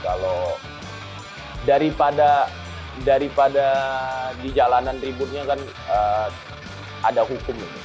kalau daripada di jalanan ributnya kan ada hukum